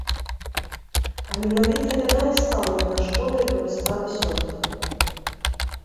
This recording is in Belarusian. А менавіта яна і стала перашкодай для выставы сёлета.